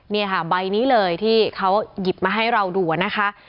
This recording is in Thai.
นี่ค่ะใบนี้เลยที่เขาหยิบมาให้เราดูนะคะ